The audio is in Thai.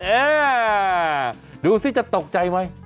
เอ๊ดูสิจะตกใจไหม